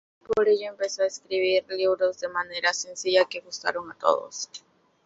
Por ello empezó a escribir libros de manera sencilla que gustaron a todos.